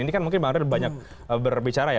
ini kan mungkin mbak andri sudah banyak berbicara ya